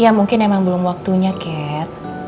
ya mungkin emang belum waktunya cat